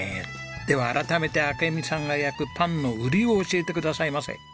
では改めて明美さんが焼くパンの売りを教えてくださいませ！